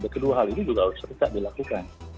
kedua hal ini juga harus tetap dilakukan